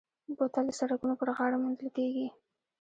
بوتل د سړکونو پر غاړه موندل کېږي.